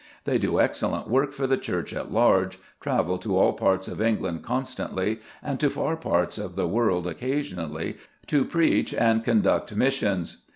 They do excellent work for the Church at large, travel to all parts of England constantly, and to far parts of the world occasionally to preach and conduct missions.